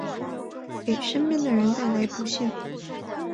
给身边的人带来不幸